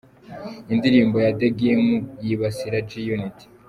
Indirimbo ya The Game yibasira G-Unit.